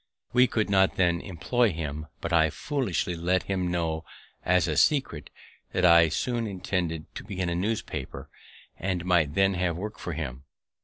We could not then employ him; but I foolishly let him know as a secret that I soon intended to begin a newspaper, and might then have work for him.